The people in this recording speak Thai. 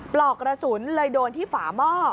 ปลอกกระสุนเลยโดนที่ฝาหม้อ